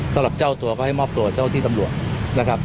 สำหรับเจ้าตัวก็ให้มอบตัวเจ้าที่ตำรวจนะครับ